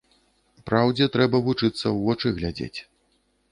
Праўдзе трэба вучыцца ў вочы глядзець.